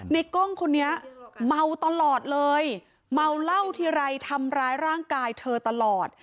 กล้องคนนี้เมาตลอดเลยเมาเหล้าทีไรทำร้ายร่างกายเธอตลอด